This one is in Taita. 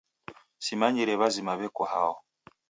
Simanyire w'azima w'eko hao.